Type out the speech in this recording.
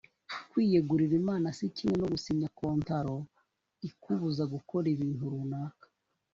kwiyegurira imana si kimwe no gusinya kontaro ikubuza gukora ibintu runaka